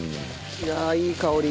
いやあいい香り。